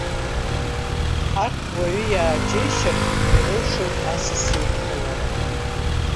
Арҭ уаҩы иааџьеишьартә ирылшоит асас идкылара.